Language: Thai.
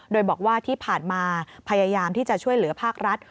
โดยบอกว่าที่ผ่านมาพยายามที่จะช่วยเหลือภาครัฐ